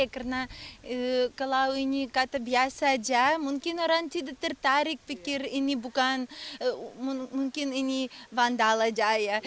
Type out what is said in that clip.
karena kalau ini kata biasa aja mungkin orang tidak tertarik pikir ini bukan mungkin ini vandal aja ya